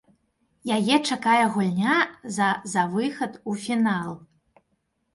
Яе чакае гульня за за выхад у фінал.